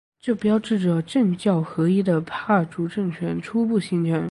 这标志着政教合一的帕竹政权初步形成。